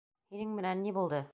Һинең менән ни булды?